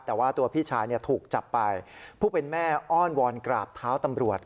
แต่ว่าตัวพี่ชายถูกจับไปผู้เป็นแม่อ้อนวอนกราบเท้าตำรวจ